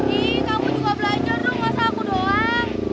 iiih kamu juga belajar dong masa aku doang